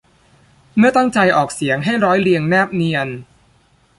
เมื่อตั้งใจออกเสียงให้ร้อยเรียงแนบเนียน